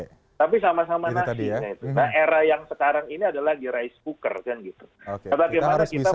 kita harus bisa membangun sdm tadi ya agar bisa menyokso revolusi industri